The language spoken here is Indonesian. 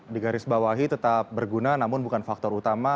di garis bawahi tetap berguna namun bukan faktor utama